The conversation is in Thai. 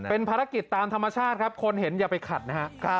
เป็นภารกิจตามธรรมชาติครับคนเห็นอย่าไปขัดนะครับ